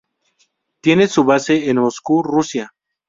Tiene su base en Moscú, Rusia.